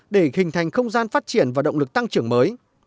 để hình thành không gian phát triển và động lực tăng trưởng mới